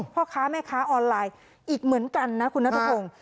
พ่อค้าแม่ค้าออนไลน์อีกเหมือนกันนะคุณนัทพงศ์